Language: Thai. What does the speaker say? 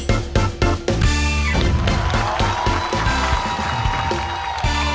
โอ้โฮ